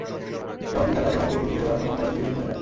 যেমন পিতার কাছে ভাইকে ফিরিয়ে নেয়ার কোন উপায় যদি বের করে দেন।